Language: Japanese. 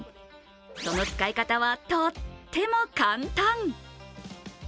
その使い方は、とっても簡単！